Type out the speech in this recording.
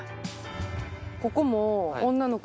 ここも。